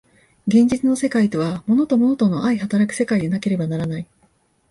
現実の世界とは物と物との相働く世界でなければならない。